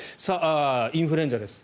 インフルエンザです。